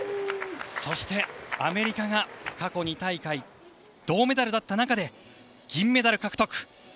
そして、アメリカが過去２大会銅メダルだった中で銀メダル獲得。